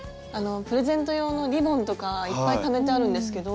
プレゼント用のリボンとかいっぱいためてあるんですけど。